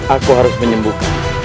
aku harus menyembuhkan